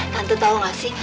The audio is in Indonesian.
tante tau gak sih